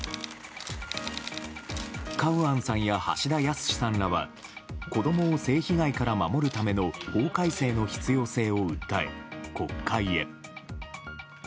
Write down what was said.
カウアンさんや橋田康さんらは子供を性被害から守るための法改正の必要性を訴え国会へ。